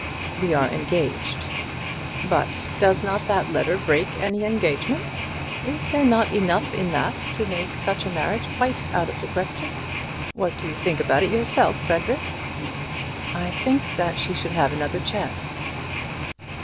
"We are engaged." "But does not that letter break any engagement? Is there not enough in that to make such a marriage quite out of the question? What do you think about it yourself, Frederic?" "I think that she should have another chance."